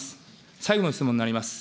最後の質問になります。